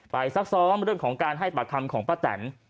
ซักซ้อมเรื่องของการให้ปากคำของป้าแตน